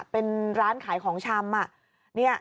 เป็นร้านขายของชำ